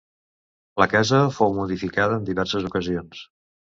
La casa fou modificada en diverses ocasions.